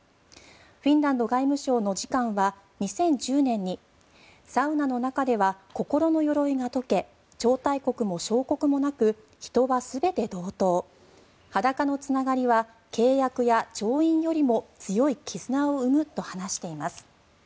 フィンランド外務省の次官は２０１０年にサウナの中では心のよろいが溶け超大国も小国もなく人は全て同等裸のつながりは契約や調印よりも強い絆を生むと話しています。